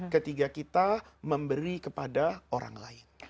ketika kita memberi kepada orang lain